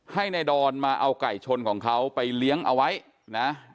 ให้นายดอนมาเอาไก่ชนของเขาไปเลี้ยงเอาไว้นะ